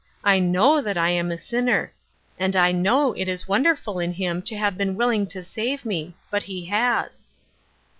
I know that I am a sinner ; and I know it is won derful in him to have been willing to save me ; but he has."